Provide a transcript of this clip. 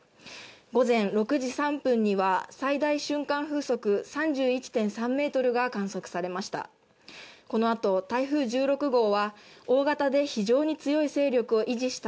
午前６時３分には最大瞬間風速３１．３メートルが観測されました。